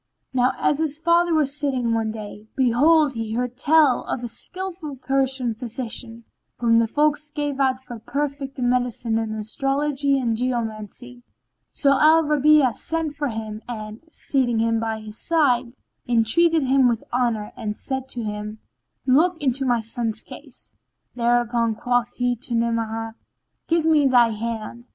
Now as his father was sitting one day, behold he heard tell of a skillful Persian physician, whom the folk gave out for perfect in medicine and astrology and geomancy. So Al Rabi'a sent for him and, seating him by his side, entreated him with honour and said to him, "Look into my son's case." Thereupon quoth he to Ni'amah, "Give me thy hand."